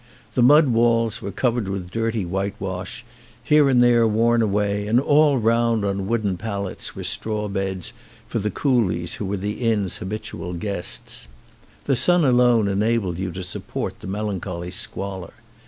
The mud walls were covered with dirty whitewash, here and there worn away, and all round on wooden pallets were straw beds for the coolies who were the inn's habitual guests. The sun alone enabled you to support the melancholy squalor.